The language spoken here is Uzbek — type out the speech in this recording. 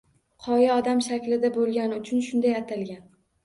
Qoya odam shaklida bo‘lgani uchun shunday atalgan.